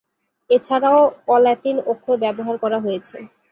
এছাড়াও অ-লাতিন অক্ষর ব্যবহার করা হয়েছে।